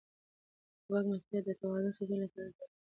د واک محدودیت د توازن ساتلو لپاره ضروري دی